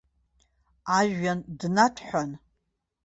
Ажәҩан днаҭәҳәан.